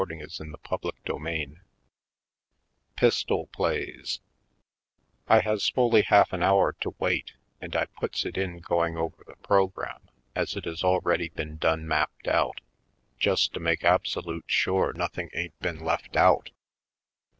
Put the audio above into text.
Pistol Plays 235 CHAPTER XIX Pistol Plays I HAS fully half an hour to wait and I puts it in going over the program, as it has already done been mapped out, just to make absolute sure nothing ain't been left out.